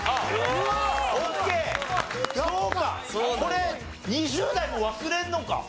そうかこれ２０代も忘れるのか。